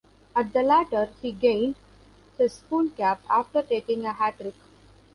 At the latter, he gained his school cap after taking a hat trick.